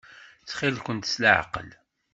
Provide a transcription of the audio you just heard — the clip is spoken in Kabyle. Ttxil-kent s leɛqel.